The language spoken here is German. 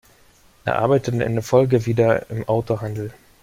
Er arbeitete in der Folge wieder im Autohandel.